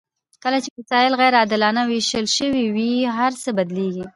کله چې وسایل غیر عادلانه ویشل شوي وي هرڅه بدلیږي.